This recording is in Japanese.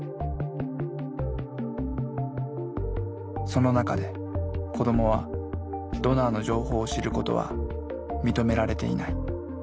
その中で子どもはドナーの情報を知ることは認められていない。